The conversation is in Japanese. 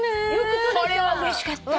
これはうれしかった。